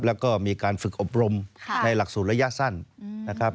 แล้วก็มีการฝึกอบรมในหลักสูตรระยะสั้นนะครับ